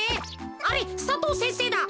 あれ佐藤先生だ。